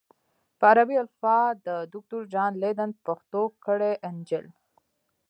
په عربي الفبا د دوکتور جان لیدن پښتو کړی انجیل